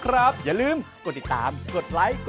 พร้อมเหมือนกับติดเลย